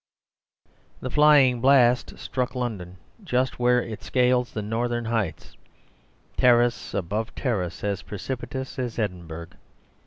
The flying blast struck London just where it scales the northern heights, terrace above terrace, as precipitous as Edinburgh.